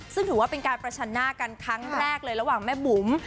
ซึ่งถือว่าเป็นการประชันหน้ากันครั้งแรกเลยระหว่างแม่บุ๋ม